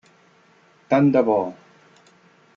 Tant de bo.